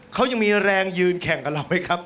เขายังมีแรงยืนแข่งกับเราไหมครับ